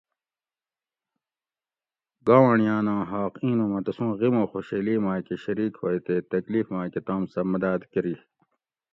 گاونڑیاناں حاق اینوں مہ تسوں غیمو خوشیلی ماۤکہ شریک ہوئے تے تکلیف ماۤکہ تام سہ مداۤد کۤری